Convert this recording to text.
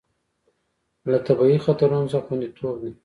له طبیعي خطرونو څخه خوندیتوب ده.